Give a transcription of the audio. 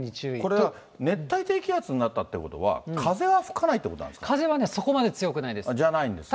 これは熱帯低気圧になったということは風は吹かないってこと風はね、そこまで強くないでじゃないんですか。